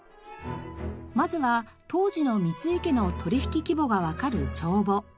まずは当時の三井家の取引規模がわかる帳簿。